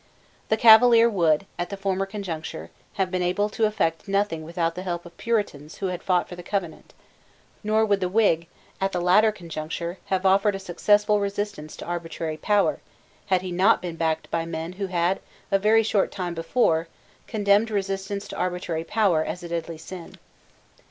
The Cavalier would, at the former conjuncture, have been able to effect nothing without the help of Puritans who had fought for the Covenant; nor would the Whig, at the latter conjuncture, have offered a successful resistance to arbitrary power, had he not been backed by men who had a very short time before condemned resistance to arbitrary power as a deadly sin.